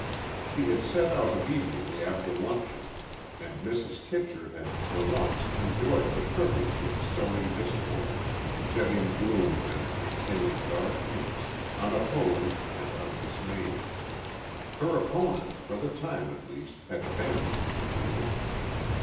She had set out immediately after luncheon, and Mrs. Kitcher had for once enjoyed the privilege of sowing discord, shedding gloom and retailing dark hints, unopposed and undismayed. Her opponent, for the time at least, had abandoned the field.